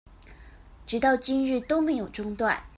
直到今日都沒有中斷